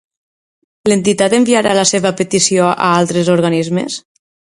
L'entitat enviarà la seva petició a altres organismes?